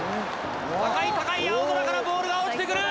高い高い青空からボールが落ちてくる！